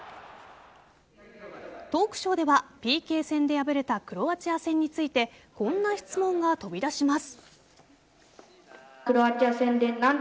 トークショーではＰＫ戦で敗れたクロアチア戦についてこんな質問が飛び出します。